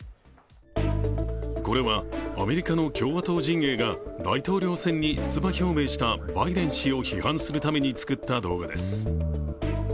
これはアメリカの共和党陣営が大統領選に出馬表明したバイデン氏を批判するために作った動画です。